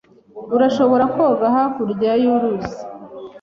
Urashobora koga hakurya y'uruzi?